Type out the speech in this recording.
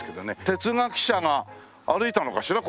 哲学者が歩いたのかしら？